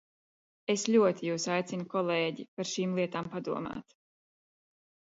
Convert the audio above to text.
Es ļoti jūs aicinu, kolēģi, par šīm lietām padomāt!